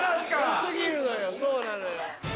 良すぎるのよそうなのよ。